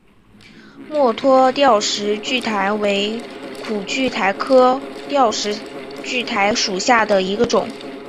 墨脱吊石苣苔为苦苣苔科吊石苣苔属下的一个种。